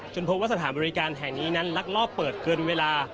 พบว่าสถานบริการแห่งนี้นั้นลักลอบเปิดเกินเวลา